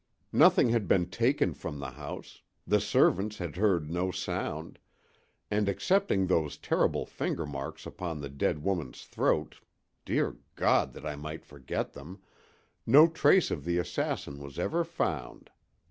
Nothing had been taken from the house, the servants had heard no sound, and excepting those terrible finger marks upon the dead woman's throat—dear God! that I might forget them!—no trace of the assassin was ever found.